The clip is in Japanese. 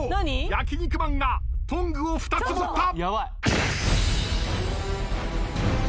焼肉マンがトングを２つ持った。